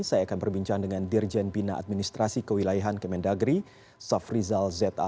saya akan berbincang dengan dirjen bina administrasi kewilayahan kemendagri safrizal za